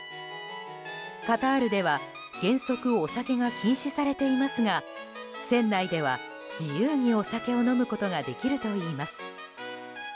カタールでは原則お酒が禁止されていますが船内では自由にお酒を飲むことができるといいます。